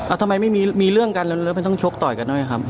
ทำไมไม่มีเรื่องกันแล้วมันต้องชกต่อยกันด้วยครับ